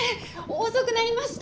遅くなりました！